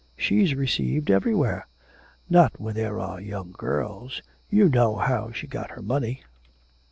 she's received everywhere.' 'Not where there are young girls. You know how she got her money.'